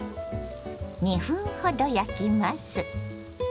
２分ほど焼きます。